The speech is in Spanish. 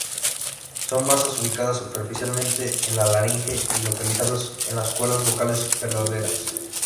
Son masas ubicadas superficialmente en la laringe y localizados en las cuerdas vocales verdaderas.